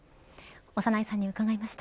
長内さんに伺いました。